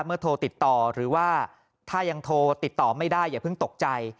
โทรติดต่อหรือว่าถ้ายังโทรติดต่อไม่ได้อย่าเพิ่งตกใจ